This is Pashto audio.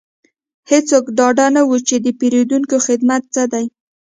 هیڅوک ډاډه نه وو چې د پیرودونکو خدمت څه دی